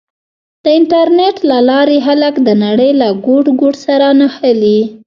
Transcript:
د انټرنېټ له لارې خلک د نړۍ له ګوټ ګوټ سره نښلي.